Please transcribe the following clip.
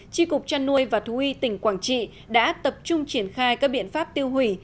tri cục trăn nuôi và thú y tỉnh quảng trị đã tập trung triển khai các biện pháp tiêu hủy